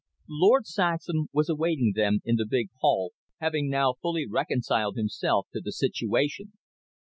Lord Saxham was awaiting them in the big hall, having now fully reconciled himself to the situation.